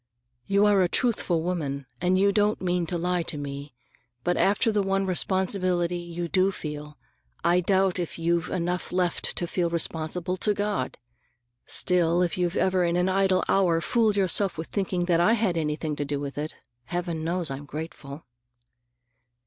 You are a truthful woman, and you don't mean to lie to me. But after the one responsibility you do feel, I doubt if you've enough left to feel responsible to God! Still, if you've ever in an idle hour fooled yourself with thinking I had anything to do with it, Heaven knows I'm grateful."